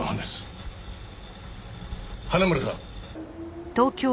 花村さん。